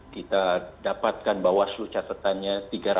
kita dapatkan bawah seluruh catetannya